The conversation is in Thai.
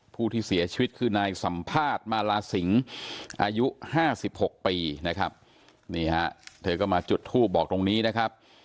ผู้ที่เสียชีวิตคือนายสัมภาษณ์มาลาสิงอายุ๕๖ปีนะครับนี่ฮะเธอก็มาจุดทูบบอกตรงนี้นะครับ